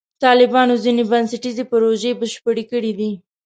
طالبانو ځینې بنسټیزې پروژې بشپړې کړې دي.